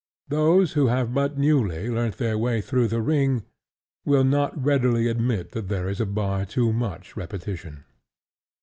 Those who have but newly learnt their way through The Ring will not readily admit that there is a bar too much repetition.